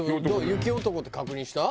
雪男って確認した？